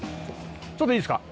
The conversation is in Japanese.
ちょっといいですか？